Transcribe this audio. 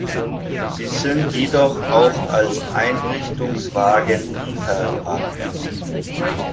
Sie sind jedoch auch als Einrichtungswagen lieferbar.